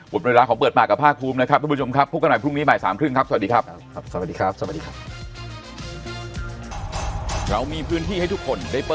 วันเวลาของเปิดปากกับภาคภูมินะครับทุกผู้ชมครับพบกันใหม่พรุ่งนี้บ่ายสามครึ่งครับสวัสดีครับ